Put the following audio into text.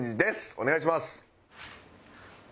お願いします。